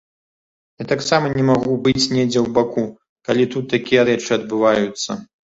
Я таксама не магу быць недзе ў баку, калі тут такія рэчы адбываюцца.